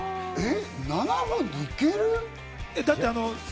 ７分いける？